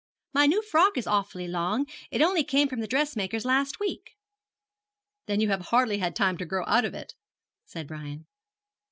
'My new frock is awfully long. It only came from the dress maker's last week.' 'Then you have hardly had time to grow out of it,' said Brian.